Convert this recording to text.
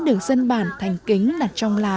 sẽ được dân bàn thành kính đặt trong lán